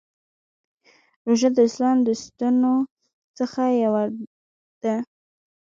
روژه د اسلام د ستنو څخه یوه ده.